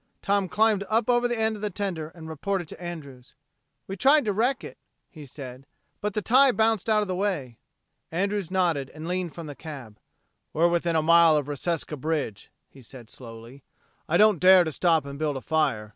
Tom climbed up over the end of the tender and reported to Andrews. "We tried to wreck it," he said, "but the tie bounced out of the way." Andrews nodded and leaned from the cab. "We're within a mile of Reseca bridge," he said slowly. "I don't dare to stop and build a fire.